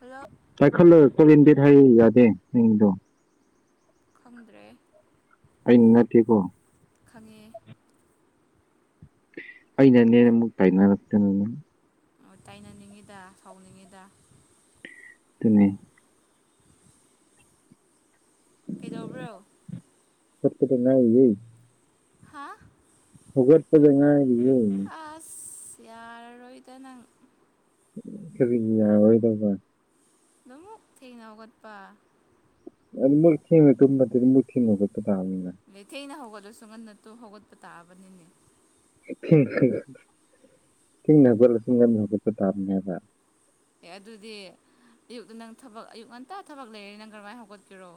hello ꯄꯥꯏꯈꯠꯂ ꯐꯦꯟ ꯗꯦꯠ ꯍꯥꯏ ꯌꯥꯗꯦ ꯅꯗꯣ ꯈꯪꯗ꯭ꯔꯦ ꯑꯩ ꯅ ꯀꯣ ꯈꯪꯉꯦ ꯑꯩꯅ ꯅꯦꯅꯦ ꯃꯛꯇ ꯇꯥꯏꯅꯔꯇꯦ ꯅꯅ ꯇꯥꯏꯅꯅꯤꯡꯉꯤꯗ ꯁꯥꯎꯅꯤꯡꯉꯤꯗ ꯑꯗꯨꯅꯦ ꯀꯩꯗꯧꯕ꯭ꯔꯣ ꯊꯠꯄꯇ ꯅꯥꯏ ꯌ ꯍꯥꯥ ꯐꯨꯒꯠꯄꯗꯉꯥꯏ ꯑꯁ ꯌꯥꯔꯔꯣꯏꯗ ꯅꯪ ꯈꯔꯤ ꯌꯥ ꯑꯣꯏꯣꯏꯗꯕ ꯑꯗꯨꯃꯨꯛ ꯊꯦꯡꯅ ꯍꯧꯒꯠꯄ ꯑꯗꯨ ꯃꯨꯔ ꯇꯨꯝ ꯃꯨ ꯇꯥꯅ ꯂꯩꯊꯅ ꯍꯧꯒꯠꯂꯁꯨ ꯉꯟꯅꯠꯇꯣ ꯍꯧꯒꯠꯄ ꯇꯥꯔꯕꯅꯤꯅꯦ ꯊ ꯊꯅꯒꯠꯂ ꯁꯨꯝ ꯇꯥꯕꯅꯦꯕ ꯑꯦ ꯑꯗꯨꯗꯤ ꯑꯌꯨꯛꯇ ꯅꯪ ꯊꯕꯛ ꯑꯌꯨꯛ ꯉꯟꯇꯥ ꯊꯕꯛ ꯂꯩꯔꯦ ꯅꯪ ꯀꯔꯝꯍꯥꯏꯅ ꯍꯧꯒꯠꯀꯔꯣ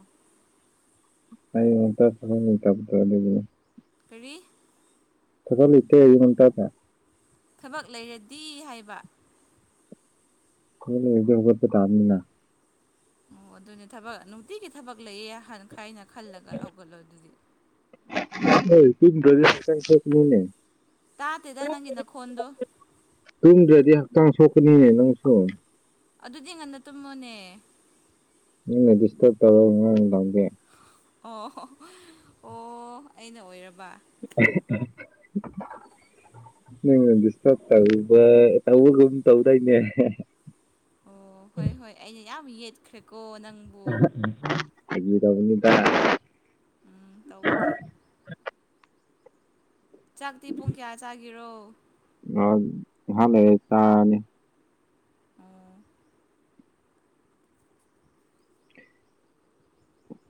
ꯑꯩ ꯃ ꯁ ꯇ ꯇ ꯈꯔꯤ ꯊ ꯐ ꯂ ꯏꯇꯦꯇꯦ ꯊꯕꯛ ꯂꯩꯔꯗꯤ ꯍꯥꯏꯕ ꯀꯗꯦ ꯇꯥꯝꯅꯤꯅ ꯑꯣ ꯑꯗꯨꯅꯦ ꯊꯕꯛ ꯅꯨꯡꯇꯤꯒꯤ ꯊꯕꯛ ꯂꯩꯌꯦ ꯑꯍꯥꯟ ꯈꯥꯏꯅ ꯈꯜꯂꯒ ꯍꯧꯒꯠꯂꯣ ꯑꯗꯨꯗꯤ ꯍꯣꯏ ꯇꯨꯒ ꯀ ꯁ ꯃꯤꯅꯦ ꯇꯥꯇꯦꯗ ꯅꯪꯒꯤꯅ ꯈꯣꯟꯗꯣ ꯑꯗꯨꯨꯝꯗ꯭ꯔꯥꯗꯤ ꯍꯥꯛꯛꯇꯥꯡ ꯁꯣ ꯈꯨꯅꯤꯅꯦ ꯅꯪ ꯁꯨꯝ ꯑꯗꯨꯗꯤ ꯉꯟꯅ ꯇꯨꯝꯃꯣꯅꯦ ꯏꯗꯤꯁ ꯇꯧꯦ ꯑꯣ ꯑꯣ ꯑꯩꯅ ꯑꯣꯏꯔꯕ [unintelligible] ꯅꯪꯅ ꯗꯤꯁꯇꯕ ꯇꯧꯏꯗ ꯇꯧꯕꯒꯨ ꯇꯧꯗꯥꯏꯅꯦ ꯑꯣ ꯍꯣꯏ ꯍꯣꯏ ꯑꯩꯅ ꯌꯥꯝ ꯌꯦꯠꯈ꯭ꯔꯦꯀꯣ ꯅꯪ ꯐꯥꯒꯤ ꯇꯧꯕꯥꯅꯤꯗ ꯎꯝ ꯇꯧꯒꯅꯤ ꯆꯥꯛꯇꯤ ꯄꯨꯡ ꯀꯌꯥ ꯆꯥꯒꯤꯔꯣ ꯉꯥꯛ ꯉꯥꯏꯍꯥꯛ ꯂꯩꯔ ꯆꯥꯅꯤ ꯑꯣ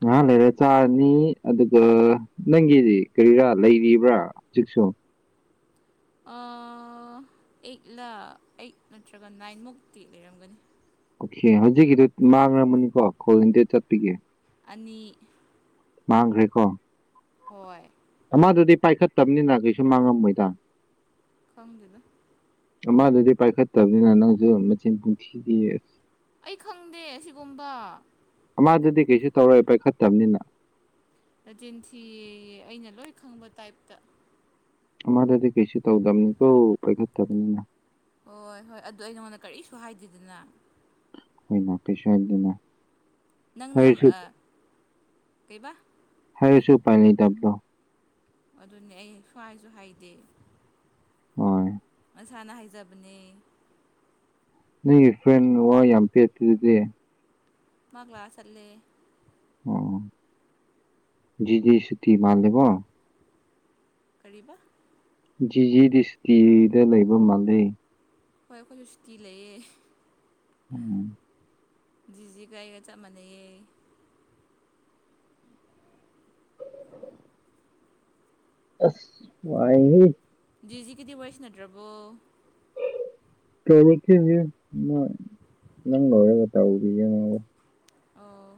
ꯉꯍꯥꯛ ꯂꯩꯔ ꯆꯥꯔꯅꯤ ꯑꯗꯨꯒ ꯅꯪꯒꯤꯗꯤ ꯀꯔꯤꯔꯥ ꯂꯩꯔꯤꯕ꯭ꯔꯥ ꯍꯧꯖꯤꯛꯁꯨ ꯑ ꯑꯩꯠꯂ ꯑꯩꯠ ꯅꯠꯇ꯭ꯔꯒ ꯅꯥꯏꯟꯃꯨꯛꯇꯤ ꯂꯩꯔꯝꯒꯅꯤ ꯑꯣꯈ‌ꯦ ꯍꯧꯖꯤꯛꯀꯤꯗꯨ ꯃꯥꯡꯉꯃꯅꯤꯀꯣ ꯀꯣꯜ ꯗꯤꯂꯦꯠ ꯆꯠꯒꯤ ꯑꯅꯤ ꯃꯥꯡꯒ꯭ꯔꯦ ꯀꯣ ꯍꯣꯏ ꯑꯃꯗꯨꯗꯤ ꯄꯥꯏꯈꯠꯇꯕꯅꯤꯅ ꯀꯩꯁꯨ ꯃꯥꯡꯉꯝꯃꯣꯏꯗ ꯈꯪꯗꯦꯗꯥ ꯑꯃꯗꯨꯗꯤ ꯄꯥꯏꯈꯠ ꯇꯕꯅꯤꯅ ꯅꯪ ꯑꯗꯨ ꯃꯆꯤꯟ ꯄꯨꯡꯊꯤ ꯊꯤꯌꯦ ꯑꯩ ꯈꯪꯗꯦ ꯑꯁꯤꯒꯨꯝꯕ ꯑꯃꯗꯨꯗꯤ ꯀꯩꯁꯨ ꯇꯧꯔꯣꯏ ꯄꯥꯏꯈꯠ ꯇꯕꯅꯤꯅ ꯃꯆꯤꯟ ꯊꯤꯌꯦ ꯌ‌ꯦ ꯑꯩꯅ ꯂꯣꯏ ꯈꯪꯕ ꯇꯥꯏꯞꯇ ꯑꯃꯗꯗꯤ ꯀꯩꯁꯨ ꯇꯧꯗꯝꯅꯤꯀꯣ ꯄꯥꯏꯈꯠ ꯇꯕꯅꯤꯅ ꯍꯣꯏ ꯍꯣꯏ ꯑꯗꯨ ꯑꯩ ꯅꯉꯣꯟꯗ ꯀꯔꯤꯁꯨ ꯍꯥꯏꯗꯦꯗꯅ ꯎꯝ ꯀꯩꯁꯨ ꯍꯥꯏꯗꯤꯌꯦ ꯅꯪꯅ ꯑꯥ ꯀꯩꯕ ꯍꯥꯏꯔꯁꯨ ꯄꯥꯏꯅꯤꯡ ꯗꯥꯕꯗꯣ ꯑꯗꯨꯅꯦ ꯑꯩ ꯁꯨ꯭ꯋꯥꯏꯖꯨ ꯍꯥꯏꯗꯦ ꯍ‌ꯣꯏ ꯃꯁꯥꯅ ꯍꯥꯏꯖꯕꯅꯦ ꯅꯪꯒꯤ ꯐ꯭ꯔꯦꯟ ꯋꯥ ꯌꯥꯝ ꯄꯦꯠꯄ ꯗꯨꯗꯤ ꯃꯥꯥ ꯀꯂꯥꯁ ꯆꯠꯂꯦ ꯑꯣ ꯖꯤꯗꯤ ꯁꯨꯇꯤ ꯃꯥꯜꯂꯦꯕꯣ ꯀꯔꯤꯕ ꯖꯤꯖꯤꯗꯤ ꯁꯨꯇꯤ ꯗꯥ ꯂꯩꯕ ꯃꯥꯜꯂ‌ꯦ ꯍꯣꯏ ꯑꯩꯈꯣꯏꯖꯨ ꯁꯨꯇꯤ ꯂꯩꯌꯦ ꯎꯝ ꯖꯤꯖꯤꯒ ꯑꯩꯒ ꯆꯞ ꯃꯥꯟꯅꯩꯌꯦ ꯑꯁ ꯋꯥꯥꯏꯍꯦ ꯖꯤꯖꯤꯒꯗꯤ ꯋꯥꯔꯤ ꯁꯥꯟꯅꯗꯔ꯭ꯕꯣ ꯇꯧꯔꯛꯗꯦꯅꯦ ꯃꯥ ꯅꯪ ꯂ‌ꯣꯏꯔ ꯇꯧꯕꯤꯒꯅꯤ ꯑꯣ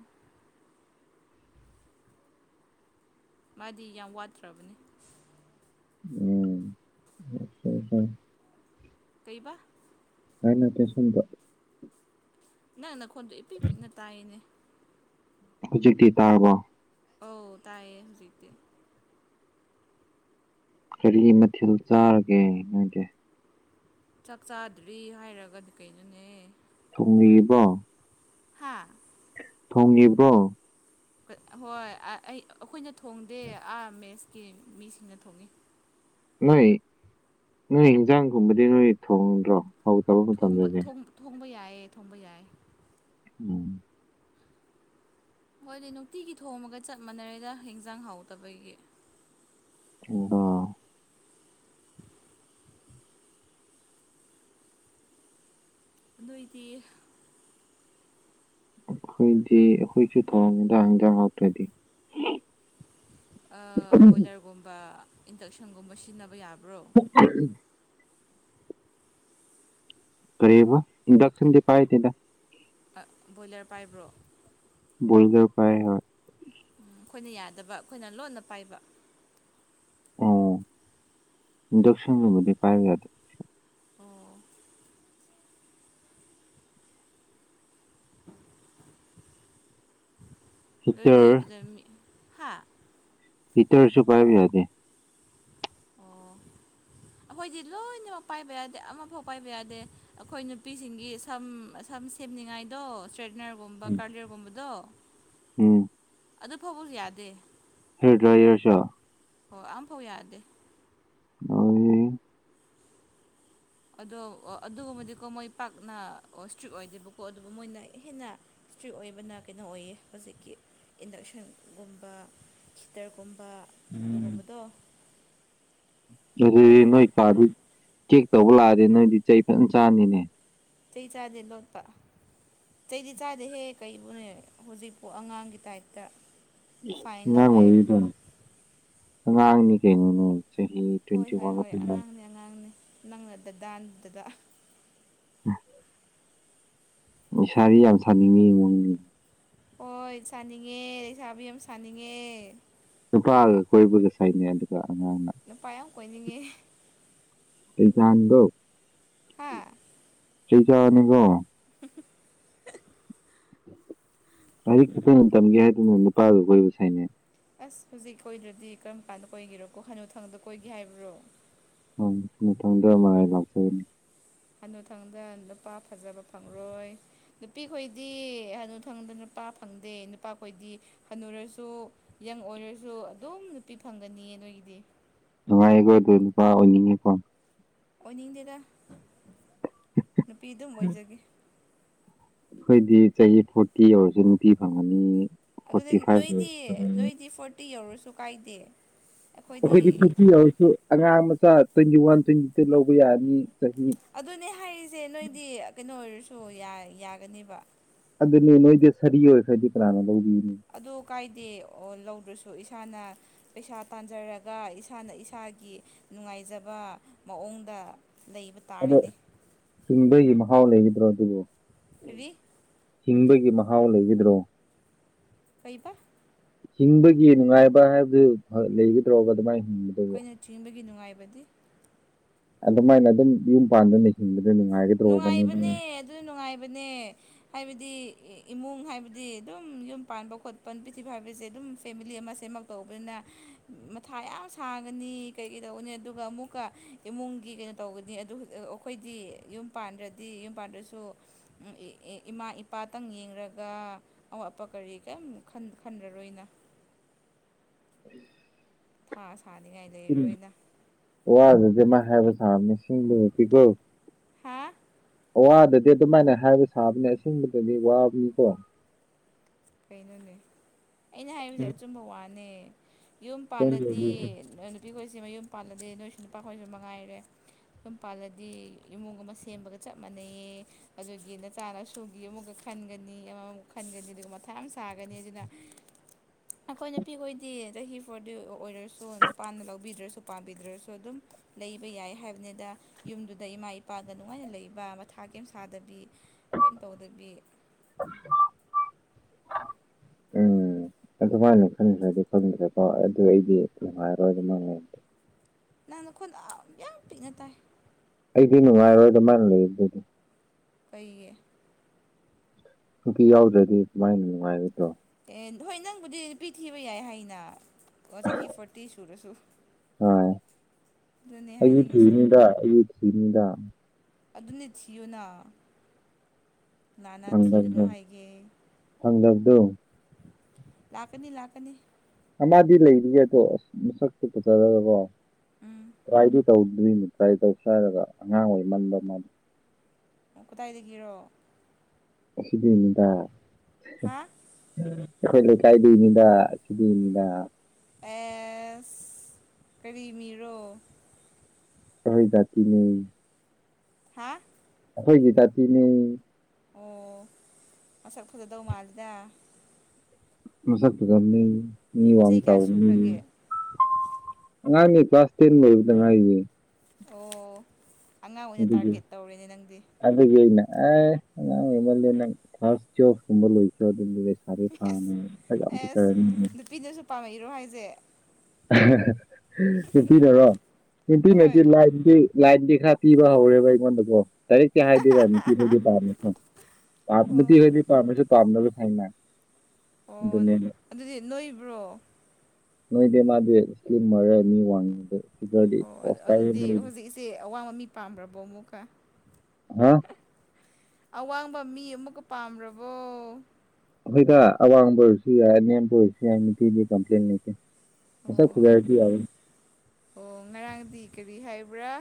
ꯃꯥꯗꯤ ꯌꯥꯝ ꯋꯥꯠꯇ꯭ꯔꯕꯅ‌ꯦ [unintelligible] ꯁꯣꯏ ꯁꯣꯏ ꯀꯩꯕ ꯅꯪ ꯅꯠꯇꯦ ꯁꯣꯝꯗ ꯅꯪ ꯅꯈꯣꯟꯗꯣ ꯏꯄꯤꯛ ꯄꯤꯛꯅ ꯇꯥꯏꯌ‌ꯦꯅꯦ ꯍꯧꯖꯤꯛꯇꯤ ꯇꯥꯔꯕꯣ ꯑꯧ ꯇꯥꯏꯌꯦ ꯍꯧꯖꯤꯛꯇꯤ ꯀꯔꯤ ꯃꯊꯦꯜ ꯆꯥꯔꯒꯦ ꯅꯣꯏꯗꯤ ꯆꯥꯛ ꯆꯥꯗ꯭ꯔꯤ ꯍꯥꯏꯔꯒ ꯀꯩꯅꯣꯅꯦ ꯊꯣꯡꯕꯤꯔꯤꯕꯣ ꯍꯥꯥ ꯊꯣꯡꯒꯤꯕ꯭ꯔꯣ ꯀꯩ ꯑꯍꯣꯏ ꯑ ꯑꯩ ꯑꯩꯈꯣꯏꯅ ꯊꯣꯡꯗꯦ ꯑꯥ ꯃꯦꯁꯀꯤ ꯃꯤꯁꯤꯡꯅ ꯊꯣꯡꯉꯤ ꯅꯣꯏ ꯅꯣꯏ ꯏꯟꯖꯥꯡꯒꯨꯝꯕꯗꯤ ꯅꯣꯏ ꯊꯣꯡꯗ꯭ꯔꯣ ꯍꯧꯗꯕ ꯊꯣꯡꯕ ꯃꯇꯝꯗꯗꯤ ꯊꯣꯡ ꯊꯣꯡꯕ ꯌꯥꯏꯌꯦ ꯊꯣꯡꯕ ꯌꯥꯏ ꯎꯝ ꯍꯣꯏꯗꯤ ꯅꯨꯡꯇꯤꯒꯤ ꯊꯣꯡꯃꯒ ꯆꯞ ꯃꯥꯟꯅꯔꯦꯗ ꯍꯦꯟꯖꯥꯡ ꯍꯥꯎꯇꯕꯒꯤ ꯆꯤꯡꯗꯥ ꯅꯣꯏꯗꯤ ꯑꯈꯣꯏꯗꯤ ꯑꯈꯣꯏꯁꯨ ꯊꯣꯡꯉꯤꯗ ꯏꯟꯖꯥꯡ ꯍꯥꯎꯇ꯭ꯔꯗꯤ ꯑꯥ ꯕꯣꯏꯂ꯭ꯔꯒꯨꯝꯕ ꯏꯟꯗꯛꯁꯟꯒꯨꯝꯕ ꯁꯤꯖꯤꯟꯅꯕ ꯌꯥꯕ꯭ꯔꯣ [unintelligible] ꯀꯔꯤꯑꯕ ꯏꯟꯗꯛꯁꯟꯗꯤ ꯄꯥꯏꯗꯦꯗ ꯑ ꯕꯣꯏꯂ꯭ꯔ ꯄꯥꯏꯕ꯭ꯔꯣ ꯕꯣꯏꯂ꯭ꯔ ꯄꯥꯏ ꯍꯣꯏ ꯎꯝ ꯑꯩꯈꯣꯏꯅ ꯌꯥꯗꯕ ꯑꯩꯈꯣꯏꯅ ꯂꯣꯟꯅ ꯄꯥꯏꯕ ꯑꯣ ꯏꯟꯗꯛꯁꯟꯒꯨꯝꯕꯗꯤ ꯄꯥꯏꯕ ꯌꯥꯗꯦ ꯑꯣ [unintelligible] ꯅꯣꯏꯗꯤ ꯍꯤꯇꯔ ꯑꯗꯨꯗ ꯃꯤ ꯍꯥ ꯍꯤꯇ꯭ꯔꯁꯨ ꯄꯥꯏꯕ ꯌꯥꯗꯦ ꯑꯣ [inaudible] ꯑꯩꯈꯣꯏꯗꯤ ꯂꯣꯏꯅꯃꯛ ꯄꯥꯏꯕ ꯌꯥꯗꯦ ꯑꯃꯐꯥꯎ ꯄꯥꯏꯕ ꯌꯥꯗꯦ ꯑꯩꯈꯣꯏ ꯅꯨꯄꯤꯁꯤꯡꯒꯤ ꯁꯝ ꯁꯝ ꯁꯦꯝꯅꯤꯡꯉꯥꯏꯗꯣ ꯁ꯭ꯇ꯭ꯔꯦꯠꯅ꯭ꯔꯒꯨꯝꯕ ꯀꯥꯔꯂꯤꯌ꯭ꯔꯒꯨꯝꯕꯗꯣ ꯎꯝ ꯑꯗꯨꯐꯥꯎꯕꯖꯨ ꯌꯥꯗꯦ ꯍꯦꯌ꯭ꯔ ꯗ꯭ꯔꯥꯏꯌ꯭ꯔꯁꯨ ꯍꯣꯏ ꯑꯝꯐꯥꯎ ꯌꯥꯗꯦ ꯂꯣꯏꯔꯦꯍꯦ ꯑꯗꯣ ꯑ ꯑꯗꯨꯒꯨꯝꯕꯗꯤꯀꯣ ꯃꯣꯏ ꯄꯥꯛꯅ ꯏꯁꯇ꯭ꯔꯤꯛ ꯑꯣꯏꯗꯦꯕꯀꯣ ꯑꯗꯨꯕꯨ ꯃꯣꯏꯅ ꯍꯦꯟꯅ ꯏꯁꯇ꯭ꯔꯤꯛ ꯑꯣꯏꯕꯅ ꯀꯩꯅꯣ ꯑꯣꯏꯌꯦ ꯍꯧꯖꯤꯛꯀꯤ ꯏꯟꯗꯛꯁꯟꯒꯨꯝꯕ ꯍꯤꯇ꯭ꯔꯒꯨꯝꯕ ꯎꯝ ꯑꯗꯨꯒꯨꯝꯕꯗꯣ ꯑꯗꯨꯗꯤ ꯑꯗꯨꯒ ꯅꯣꯏ ꯄꯥꯗꯤꯛ ꯆꯦꯛ ꯇꯧꯕ ꯂꯥꯛꯑꯗꯤ ꯅꯣꯏꯗꯤ ꯆꯩ ꯐꯖꯅ ꯆꯥꯅꯤꯅꯦ ꯆꯩ ꯆꯥꯗꯦ ꯂꯣꯠꯄ ꯆꯩꯗꯤ ꯆꯥꯗꯦꯍꯦ ꯀꯩꯕꯨꯅꯦ ꯍꯧꯖꯤꯛꯄꯨ ꯑꯉꯥꯡꯒꯤ ꯇꯥꯏꯞꯇ ꯐꯥꯏꯟ ꯑꯉꯥꯡ ꯂꯧꯋꯦ ꯑꯣꯏꯔꯤꯗ ꯑꯉꯥꯡꯅꯤ ꯀꯩꯅꯣꯅꯦ ꯆꯍꯤ ꯍꯣꯏ ꯇ꯭ꯋꯦꯟꯇꯤ ꯍꯣꯏ ꯋꯥꯟꯒ ꯍꯣꯏ ꯄꯤꯟꯍꯥꯏ ꯑꯉꯥꯡꯅꯦ ꯑꯉꯥꯡꯅꯦ ꯅꯪꯅ ꯗꯗꯥꯅꯤ ꯗꯗꯥ ꯎꯝ ꯅꯤꯁꯥꯕꯤ ꯌꯥꯝ ꯁꯥꯅꯤꯡꯉꯤ ꯃꯌꯣꯡꯅꯤꯅꯦ ꯍꯣꯏ ꯁꯥꯅꯤꯡꯉꯦ ꯂꯩꯁꯥꯕꯤ ꯌꯥꯝ ꯁꯥꯅꯤꯡꯉꯦ ꯅꯨꯄꯥꯒ ꯀꯣꯏꯕꯒ ꯁꯥꯏꯅꯦ ꯑꯗꯨꯒ ꯑꯉꯥꯡꯅ ꯅꯨꯄꯥ ꯌꯥꯝ ꯀꯣꯏꯅꯤꯡꯉꯦ ꯆꯩꯆꯥꯟꯗꯣ ꯍꯥꯥ ꯆꯩ ꯆꯥꯅꯤꯀꯣ [unintelligible] ꯂꯥꯏꯔꯤꯛ ꯐꯖꯅ ꯇꯝꯒꯦ ꯍꯥꯏꯗꯅ ꯅꯨꯄꯥꯒ ꯀꯣꯏꯕ ꯁꯥꯏꯅꯦ ꯑꯁ ꯍꯧꯖꯤꯛ ꯀꯣꯏꯗ꯭ꯔꯗꯤ ꯀꯔꯝ ꯀꯥꯟꯗ ꯀꯣꯏꯒꯦꯔꯣꯀꯣ ꯍꯅꯨꯊꯪꯗ ꯀꯣꯏꯒꯦ ꯍꯥꯏꯕ꯭ꯔꯣ ꯍ ꯃꯊꯪꯗꯃꯉꯥꯏ ꯂꯥꯛꯆꯒꯅꯤ ꯍꯅꯨꯊꯪꯗ ꯅꯨꯄꯥ ꯐꯖꯕ ꯐꯪꯂꯔꯣꯏ ꯅꯨꯄꯤꯈꯣꯏꯗꯤ ꯑꯗꯨꯊꯪꯕ ꯅꯨꯄꯥ ꯐꯪꯗꯦ ꯅꯨꯄꯥꯈꯣꯏꯗꯤ ꯀꯩꯅꯣꯨꯔꯁꯨ ꯌꯪ ꯑꯣꯏꯔꯁꯨ ꯑꯗꯨꯝ ꯅꯨꯄꯤ ꯐꯪꯒꯅꯤꯌꯦ ꯅꯣꯏꯒꯤꯗꯤ ꯅꯨꯡꯉꯥꯏꯌꯦꯀꯣ ꯑꯗꯣ ꯅꯨꯄꯥ ꯑꯣꯏꯅꯤꯡꯉꯤꯀꯣ ꯑꯣꯏꯅꯤꯡꯗꯦꯗ ꯅꯨꯄꯤ ꯑꯗꯨꯝ ꯑꯣꯏꯖꯒꯦ ꯑꯩꯈꯣꯏꯗꯤ ꯆꯍꯤ ꯐꯣꯔꯇꯤ ꯌꯧꯔꯁꯨ ꯅꯨꯄꯤꯤ ꯐꯪꯉꯅꯤ ꯑꯗꯨꯗꯤ ꯐꯣꯔꯇꯤ ꯐꯥꯏꯚ ꯅꯣꯏꯗꯤ ꯌꯧꯔꯁꯨ ꯅꯣꯏꯗꯤ ꯐꯣꯔꯇꯤ ꯌꯧꯔꯁꯨ ꯀꯥꯏꯗꯦ ꯑꯩꯈꯣꯏꯗꯤ ꯑꯩꯈꯣꯏꯒꯤ ꯐꯤꯇꯤ ꯑꯣꯏꯔꯁꯨ ꯑꯉꯥꯡ ꯃꯆꯥ ꯇ꯭ꯋꯦꯟꯇꯤ ꯋꯥꯟ ꯇ꯭ꯋꯦꯟꯇꯤ ꯂꯧꯕ ꯌꯥꯅꯤ ꯆꯍꯤ ꯑꯗꯨꯅꯦ ꯍꯥꯏꯔꯤꯁꯦ ꯅꯣꯏꯗꯤ ꯀꯩꯅꯣ ꯑꯣꯏꯔꯁꯨ ꯌꯥꯒꯅꯦꯕ ꯑꯗꯨꯅꯦ ꯅꯣꯏꯗꯤ ꯁꯔꯤ ꯑꯣꯏꯈꯗꯤ ꯀꯅꯥꯅ ꯂꯧꯕꯤꯅꯤ ꯑꯗꯨ ꯀꯥꯏꯗꯦ ꯂꯧꯗ꯭ꯔꯁꯨ ꯏꯁꯥꯅ ꯄꯩꯁꯥ ꯇꯥꯟꯖꯔꯒ ꯏꯁꯥꯅ ꯏꯁꯥꯒꯤ ꯅꯨꯡꯉꯥꯏꯖꯕ ꯃꯑꯣꯡꯗ ꯂꯩꯕ ꯑꯗꯣ ꯇꯥꯔꯦꯅꯦ ꯆꯤꯡꯕꯒꯤ ꯃꯍꯥꯎ ꯂꯩꯒꯗ꯭ꯔꯣ ꯑꯗꯨꯕꯨ ꯐꯤꯕꯤ ꯍꯤꯡꯕꯒꯤ ꯃꯍꯥꯎ ꯂꯩꯒꯗ꯭ꯔꯣ ꯀꯩꯕ ꯍꯤꯡꯕꯒꯤ ꯅꯨꯡꯉꯥꯏꯕ ꯍꯥꯏꯕꯗꯨ ꯂꯩꯒꯗ꯭ꯔꯣꯒ ꯑꯗꯨꯃꯥꯏꯅ ꯍꯤꯡꯕ ꯑꯩꯈꯣꯏꯅ ꯆꯤꯡꯕꯒꯤ ꯅꯨꯡꯉꯥꯏꯕꯗꯤ ꯑꯗꯨꯃꯥꯏꯅ ꯑꯗꯨꯝ ꯌꯨꯝ ꯄꯥꯟꯗꯨꯅ ꯍꯤꯡꯕꯗ ꯅꯨꯡꯉꯥꯏꯒꯗꯤ ꯅꯨꯡꯉꯥꯏꯕꯅꯦ ꯑꯗꯨ ꯅꯨꯡꯉꯥꯏꯕꯅꯦ ꯍꯥꯏꯕꯗꯤ ꯏꯃꯨꯡ ꯍꯥꯏꯕꯗꯤ ꯑꯗꯨꯝ ꯌꯨꯝ ꯄꯥꯟꯕ ꯈꯣꯠꯄ ꯄ꯭ꯔꯤꯊꯤꯕꯤ ꯍꯥꯏꯕꯁꯦ ꯑꯗꯨꯝ ꯐꯦꯃꯤꯂꯤ ꯑꯃ ꯁꯦꯝꯃꯛ ꯇꯧꯕꯅꯤꯅ ꯃꯊꯥ ꯌꯥꯝ ꯁꯥꯥꯡꯒꯅꯤ ꯀꯩ ꯀꯩ ꯇꯧꯅꯤ ꯑꯗꯨꯒ ꯑꯃꯨꯛꯀ ꯏꯃꯨꯡꯒꯤ ꯀꯩꯅꯣ ꯇꯧꯒꯅꯤ ꯑꯗꯨ ꯑꯩꯈꯣꯏꯗꯤ ꯌꯨꯝ ꯄꯥꯟꯗ꯭ꯔꯗꯤ ꯌꯨꯝ ꯄꯥꯟꯗ꯭ꯔꯁꯨ ꯏꯃꯥ ꯏꯄꯥꯇꯪ ꯌꯦꯡꯂꯡꯒ ꯑꯋꯥꯠꯄ ꯀꯔꯤ ꯀꯔꯤꯝ ꯈꯟꯔꯔꯣꯏꯅ ꯁꯥ ꯁꯥꯅꯤꯡꯉꯥꯏ ꯂꯩꯔꯔꯣꯏꯅ ꯋꯥ ꯑꯗꯨꯗꯤ ꯃꯥ ꯍꯥꯏꯕꯁꯃꯤꯁꯤꯡꯕ ꯄꯤꯀꯣ ꯍꯥ ꯑꯋꯥꯗꯗꯤ ꯑꯗꯨꯃꯥꯏꯅ ꯍꯥꯏꯕ ꯁꯥꯕꯅꯤ ꯑꯁꯦꯡꯕꯗꯗꯤ ꯋꯥꯕꯅꯤꯀꯣ ꯀꯩꯅꯣꯅꯦ ꯑꯩꯅ ꯍꯥꯏꯔꯤꯕꯁꯦ ꯑꯆꯨꯝꯕ ꯋꯥꯅꯦ ꯌꯨꯝ ꯄꯥꯜꯂꯗꯤ ꯑꯁꯦꯡꯕꯗꯤ ꯅꯨꯄꯤ ꯈꯣꯏꯁꯤꯃꯌꯨꯝ ꯄꯥꯜꯂꯗꯤ ꯅꯣꯏꯁꯨ ꯅꯨꯄꯥ ꯈꯣꯏꯁꯨ ꯃꯉꯥꯏꯔꯦ ꯑꯩꯈꯣꯏꯝ ꯃ ꯄꯥꯜꯂꯗꯤ ꯏꯃꯨꯡ ꯑꯃ ꯁꯦꯝꯕꯒ ꯆꯞ ꯃꯥꯟꯅꯩꯌꯦ ꯑꯗꯨꯒꯤ ꯅꯆꯥꯅꯁꯨꯒꯤ ꯑꯃꯨꯛꯀ ꯈꯟꯒꯅꯤ ꯑꯃꯃꯨꯛ ꯈꯟꯒꯅꯤ ꯑꯗꯨꯒ ꯌꯥꯝ ꯁꯥꯒꯅꯤ ꯑꯗꯨꯅ ꯑꯩꯈꯣꯏ ꯅꯨꯄꯤꯈꯣꯏꯗꯤ ꯆꯍꯤ ꯐꯥꯎꯗꯤ ꯑꯣꯏꯔꯁꯨ ꯅꯨꯄꯥꯥꯟꯅ ꯂꯧꯕꯤꯗ꯭ꯔꯁꯨ ꯄꯥꯝꯕꯤꯗ꯭ꯔꯁꯨ ꯑꯗꯨꯝ ꯂꯩꯕ ꯌꯥꯏ ꯍꯥꯏꯕꯅꯤꯗ ꯌꯨꯝꯗꯨꯗ ꯏꯃꯥ ꯏꯄꯥꯗ ꯅꯨꯡꯉꯥꯏꯅ ꯂꯩꯕ ꯃꯊꯥ ꯀꯦꯝ ꯁꯥꯗꯕꯤ ꯀꯃꯩꯅꯅ ꯇꯧꯗꯕꯤ [inaudible] ꯎꯝ ꯑꯗꯨꯃꯥꯏꯅ ꯈꯟꯈ꯭ꯔꯗꯤ ꯈꯪꯗ꯭ꯔꯦꯀꯣ ꯑꯗꯨ ꯑꯩꯗꯤ ꯑꯗꯨ ꯍꯥꯏꯔꯣꯏ ꯑꯗꯨ ꯃꯉ ꯅꯪꯅꯈꯣꯟꯗ ꯌꯥꯝ ꯌꯥꯝ ꯄꯤꯛꯅ ꯇꯥꯏ ꯑꯩꯗꯤ ꯅꯨꯡꯉꯥꯏꯔꯣꯏꯗ ꯃꯥꯅ ꯂꯩꯔ ꯑꯗꯨꯣꯏꯅꯤ ꯀꯩꯌꯦ ꯅꯨꯡꯇꯤ ꯌꯥꯎꯗ꯭ꯔꯗꯤ ꯀꯨꯃꯥꯏꯅ ꯅꯨꯡꯉꯥꯏꯒꯗ꯭ꯔꯣ ꯑꯦ ꯍꯣꯏ ꯅꯪꯕꯨꯗꯤ ꯅꯨꯄꯤ ꯊꯤꯕ ꯌꯥꯏ ꯍꯥꯏꯅ ꯑꯣ ꯆꯍꯤ ꯐꯣꯔꯇꯤ ꯁꯨꯔꯁꯨ ꯍ ꯑꯗꯨꯅꯦ ꯑꯩꯒꯤ ꯍꯥꯏꯅꯤꯡꯉꯤꯁꯤꯗ ꯊꯤꯅꯤꯗ ꯑꯩꯒꯤ ꯊꯤꯅꯤꯗ ꯑꯗꯨꯅꯤ ꯊꯤꯌꯨꯅ ꯂꯥꯟꯅꯥ ꯊꯤꯒꯅꯨ ꯐꯪꯗꯕꯗꯣ ꯍꯥꯏꯒꯦ ꯐꯪꯗꯕꯗꯣ ꯂꯥꯛꯀꯅꯤ ꯂꯥꯛꯀꯅꯤ ꯑꯃꯗꯤ ꯂꯩꯔꯤꯌꯦ ꯑꯗꯣ ꯑꯁ ꯃꯁꯛꯇꯣ ꯐꯖꯔꯒꯀꯣ ꯎꯝ [unintelligible] ꯇꯧꯗꯔꯤꯅꯦ ꯇ꯭ꯔꯥꯏ ꯇꯧꯁꯦ ꯍꯥꯏꯔꯒ ꯑꯉꯥꯡ ꯑꯣꯏ ꯃꯟꯕ ꯃꯥꯗꯣ ꯀꯗꯥꯏꯗꯒꯤꯔꯣ ꯑꯁꯤꯗꯩꯅꯤꯗ ꯍꯥ ꯑꯩꯈꯣꯏ ꯂꯩꯀꯥꯏꯗꯩꯅꯤꯗ ꯁꯤꯗꯩꯅꯤꯗ ꯑꯦꯁ ꯀꯔꯤ ꯃꯤꯔꯣ ꯑꯍꯣꯏ ꯖꯥꯇꯤꯅꯦ ꯍꯥ ꯑꯩꯈꯣꯏꯒꯤ ꯖꯥꯇꯤꯅꯦ ꯑꯣ ꯃꯁꯛ ꯐꯖꯗꯧ ꯃꯥꯜꯂꯤꯗ ꯃꯁꯛ ꯐꯖꯥꯕꯅꯤ ꯃꯤ ꯋꯥꯡ ꯆꯍꯤ ꯀꯌꯥ ꯆꯥꯎꯅꯤ ꯁꯨꯈ꯭ꯔꯒꯦ ꯑꯉꯥꯡꯅꯦ ꯀ꯭ꯂꯥꯁ ꯇꯦꯟ ꯂꯣꯏꯕꯗ ꯉꯥꯏꯔꯤꯌꯦ ꯑꯣ ꯑꯉꯥꯡ ꯑꯣꯏꯅ ꯇꯥꯔꯒꯦꯠ ꯇꯧꯔꯦꯅꯦ ꯅꯪꯗꯤ ꯑꯗꯨꯗꯤ ꯑꯩꯅ ꯑ ꯑꯉꯥꯡ ꯑꯣꯏꯃꯜꯂꯦ ꯅꯪ ꯀ꯭ꯂꯥꯁ ꯇꯨꯌꯦꯜꯞ ꯀꯨꯝꯕ ꯂꯣꯏꯈ꯭ꯔꯣ ꯑꯦꯁ ꯑꯦꯁ [unintelligible] [unintelligible] ꯅꯨꯄꯤꯅꯁꯨ ꯄꯥꯝꯃꯛꯏꯔꯣ ꯍꯥꯏꯖꯦ ꯅꯨꯄꯤꯅꯔꯣ ꯍꯣꯏ ꯅꯨꯄꯤꯅꯗꯤ ꯂꯥꯏꯗꯤ ꯂꯥꯏꯟꯗꯤ ꯈꯔ ꯄꯤꯕ ꯍꯧꯔꯦꯕ ꯑꯩꯉꯣꯟꯗꯀꯣ ꯗꯥꯏꯔꯦꯛ ꯇꯤ ꯍꯥꯏꯗꯦꯗ ꯅꯨꯄꯤꯗꯗꯤ ꯄꯥꯝꯃꯦꯀꯣ ꯑꯣ ꯄꯝꯃꯗꯤꯍꯣꯏꯗꯤ ꯄꯥꯝꯃꯥꯁꯨ ꯄꯥꯝꯗꯕ ꯁꯥꯏꯅ ꯑꯣ ꯑꯗꯨꯅꯦ ꯑꯗꯨꯗꯤ ꯅꯣꯏꯕ꯭ꯔꯣ ꯑꯦ ꯃꯥꯗꯤ ꯏꯁꯂꯤꯝ ꯑꯣꯏꯔ ꯃꯤ ꯋꯥꯡꯗꯦ ꯐꯤꯒꯔꯗꯤ ꯄꯣꯁ ꯇꯥꯏꯌꯦ [unintelligible] ꯇꯤ ꯑꯋꯥꯡꯕ ꯃꯤ ꯄꯥꯝꯕꯔꯥꯕꯣ ꯑꯃꯨꯛꯀꯥ ꯍꯥ ꯑꯋꯥꯡꯕ ꯃꯤ ꯑꯃꯨꯛꯀꯥ ꯄꯥꯝꯔꯕꯣ ꯑꯩꯈꯣꯏꯗ ꯑꯋꯥꯡꯕ ꯑꯣꯏꯔꯁꯨ ꯌꯥꯏ ꯑꯅꯦꯝꯕ ꯑꯣꯏꯔꯁꯨ ꯌꯥꯏ ꯅꯨꯄꯤꯗꯤ ꯀꯝꯄ꯭ꯂꯦꯟ ꯂꯩꯇꯦ ꯃꯁꯛ ꯑꯣ ꯐꯖꯔꯗꯤ ꯌꯥꯔꯦ ꯑꯣ ꯉꯔꯥꯡꯗꯤ ꯀꯔꯤ ꯍꯥꯏꯕ꯭ꯔꯥ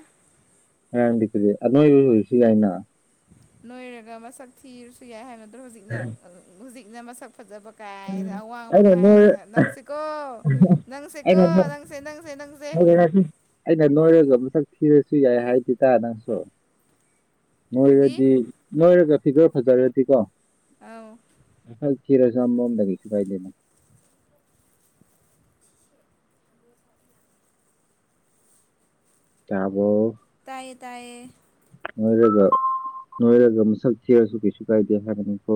ꯉꯥꯔꯥꯡꯗꯤ ꯀꯔꯤ ꯑꯅꯣꯏꯕ ꯑꯣꯏꯁꯨ ꯌꯥꯏꯅ ꯅꯣꯏꯔꯒ ꯃꯁꯛ ꯊꯤꯔꯁꯨ ꯌꯥꯏ ꯍꯥꯏꯅꯗ꯭ꯔꯣ ꯍꯧꯖꯤꯛꯅ ꯍꯧꯖꯤꯛꯅ ꯃꯁꯛ ꯐꯖꯕ ꯀꯥꯏꯅ ꯑꯋꯥꯡꯕ ꯑꯩꯅ ꯅꯣꯏ ꯀꯥꯏꯅ ꯅꯪꯁꯤꯀꯣ ꯅꯪꯁꯦꯀꯣ ꯑꯩꯅ ꯅꯣꯏ ꯅꯪꯁꯦ ꯅꯪꯁꯦ ꯅꯪꯁꯦ [unintelligible] ꯑꯩꯅ ꯅꯣꯏꯔꯒ ꯃꯁꯛ ꯊꯤꯔꯁꯨ ꯌꯥꯏ ꯍꯥꯏꯗꯦꯇ ꯅꯪꯁꯨ ꯀꯔꯤ ꯅꯣꯏꯔꯗꯤ ꯅꯣꯏꯔꯒ ꯐꯤꯒꯔ ꯐꯖꯔꯗꯤꯀꯣ ꯑꯥꯎ ꯃꯁꯛ ꯊꯤꯔꯁꯨ ꯑꯃꯔꯣꯝꯗꯗꯤ ꯀꯩꯁꯨ ꯀꯥꯏꯗꯦꯅꯦ ꯇꯥꯕꯣ ꯇꯥꯏꯌꯦ ꯇꯥꯏꯌꯦ ꯅꯣꯏꯔꯒ ꯅꯣꯏꯔꯒ ꯃꯁꯛ ꯊꯤꯔꯁꯨ ꯀꯩꯁꯨ ꯀꯥꯏꯗꯦ ꯍꯥꯏꯕꯅꯤꯀꯣ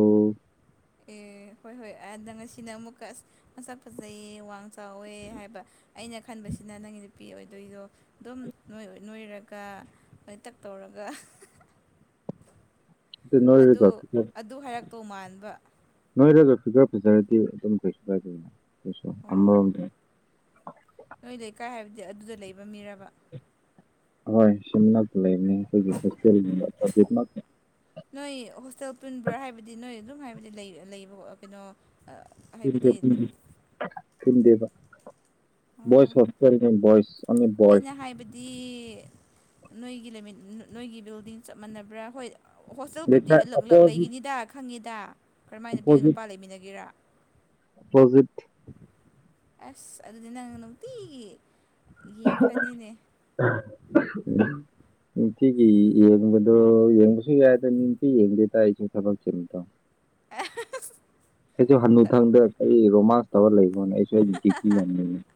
ꯑꯦ ꯍꯣꯏ ꯍꯣꯏ ꯑꯗ ꯉꯁꯤꯅ ꯑꯃꯨꯛꯀ ꯑꯁ ꯃꯁꯥꯛ ꯐꯖꯩꯌꯦ ꯋꯥꯡ ꯇꯧꯋꯦ ꯍꯥꯏꯕ ꯑꯩꯅ ꯈꯟꯕꯁꯤꯅ ꯅꯪꯒꯤ ꯅꯨ ꯄꯤ ꯑꯣꯏꯗꯣꯏꯗꯣ ꯑꯗꯨꯝ ꯅꯣꯏ ꯑꯣꯏ ꯅꯣꯏꯔꯒ ꯅꯣꯏꯇꯛ ꯇꯧꯔꯒ ꯑꯗꯨ ꯅꯣꯏꯔꯒ ꯐꯤꯒꯔ ꯑꯗꯨ ꯍꯥꯏꯔꯛꯇꯧ ꯃꯥꯟꯕ ꯅꯣꯏꯔꯒ ꯐꯤꯒꯔ ꯐꯤꯖꯥꯔꯗꯤ ꯑꯗꯨꯝ ꯀꯩꯁꯨ ꯀꯥꯏꯗꯦꯅ ꯀꯩꯁꯨ ꯑꯣ ꯑꯃꯔꯣꯝꯗ ꯅꯣꯏ ꯂꯩꯀꯥꯏ ꯍꯥꯏꯕꯗꯤ ꯑꯗꯨꯗ ꯂꯩꯕ ꯃꯤꯔꯕ ꯍꯣꯏ ꯁꯤ ꯃꯅꯛ ꯂꯩꯕꯅꯦ ꯑꯈꯣꯏꯒꯤ ꯍꯣꯇꯦꯜꯗ [unintelligible] ꯅꯣꯏ ꯍꯣꯁꯇꯦꯜ ꯄꯨꯟꯕ꯭ꯔꯥ ꯍꯥꯏꯕꯗꯤ ꯅꯣꯏ ꯑꯗꯨꯝ ꯍꯥꯏꯕꯗꯤ ꯂꯩ ꯂꯩꯕ ꯀꯩꯅꯣ ꯑ ꯄꯨꯟꯗꯦ ꯄꯨꯟꯗꯦ ꯄꯨꯟꯗꯦꯕ ꯑꯣ ꯕꯣꯏꯁ ꯍꯣꯁꯇꯦꯜꯅꯦ ꯕꯣꯏꯁ ꯑꯣꯟꯂꯤ ꯕꯣꯏꯁ ꯑꯩꯅ ꯍꯥꯏꯕꯗꯤ ꯅꯣꯏꯒꯤ ꯂꯩꯃꯤꯠ ꯅꯣꯏꯒꯤ ꯕꯤꯜꯗꯤꯡ ꯆꯞ ꯃꯥꯟꯅꯕ꯭ꯔꯥ ꯍꯣꯏ ꯍꯣꯁꯇꯦꯜꯕꯨꯗꯤ ꯂꯩꯀꯥꯏ ꯑꯂꯛ ꯑꯂꯛ ꯑꯄꯣꯖꯤꯠ ꯂꯩꯒꯅꯤꯗ ꯈꯪꯉꯤꯗ ꯀꯔꯝꯍꯥꯏ ꯅꯨꯄꯤꯒ ꯅꯨꯄꯥ ꯂꯩꯃꯤꯟꯅꯒꯦꯔꯥ ꯑꯣꯄꯣꯖꯤꯠ ꯑꯁ ꯑꯗꯨꯗꯤ ꯅꯪꯅ ꯅꯨꯡꯇꯤꯒꯤ ꯌꯦꯡꯈ꯭ꯔꯅꯤꯅꯦ [unintelligible] ꯅꯨꯡꯇꯤꯒꯤ ꯌꯦꯡꯕꯗꯣ ꯌꯦꯡꯕꯁꯨ ꯌꯥꯏ ꯑꯗꯣ ꯅꯨꯡꯇꯤ ꯌꯦꯡꯗꯦꯗꯥ ꯑꯩꯁꯨ ꯊꯕꯛ ꯆꯤꯟꯊꯣ [unintelligible] ꯑꯩꯁꯨ ꯍꯅꯨꯊꯪꯗ ꯀꯔꯤ ꯔꯣꯃꯥꯟꯁ ꯇꯧꯔ ꯂꯩꯕꯅꯣꯅꯦ ꯑꯩꯁꯨ ꯑꯩ ꯗ꯭ꯨꯌꯇꯤ ꯌꯥꯝ ꯂꯩꯕꯅꯦ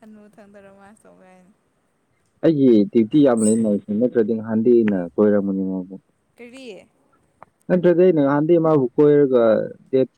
ꯍꯥꯅꯨ ꯊꯪꯗ ꯔꯣꯃꯟꯁ ꯇꯧꯕ ꯀꯥꯏꯅ ꯑꯩꯒꯤ ꯗ꯭ꯌꯨꯇꯤ ꯌꯥꯝ ꯂꯩꯅ ꯅꯠꯇ꯭ꯔꯗꯤ ꯉꯍꯥꯟꯗꯩꯅ ꯀꯣꯏꯔꯝꯅꯤ ꯃꯥꯕꯨ ꯀꯔꯤ ꯅꯠꯇꯔꯥꯗꯤ ꯑꯩꯅ ꯉꯥꯍꯟꯗꯩꯩ ꯃꯥꯕꯨ ꯀꯣꯏꯔꯒ ꯗꯦꯠ